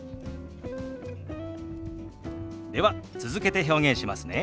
では続けて表現しますね。